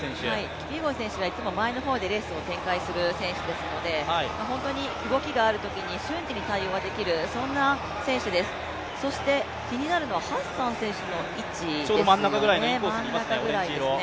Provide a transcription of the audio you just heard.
キピエゴン選手はいつも前の方でレースを展開する選手ですので本当に動きがあるときに瞬時に対応ができるそんな選手です、そして気になるのはハッサン選手の位置ですよね、真ん中ぐらいですね。